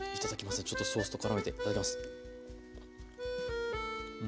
ちょっとソースと絡めていただきます。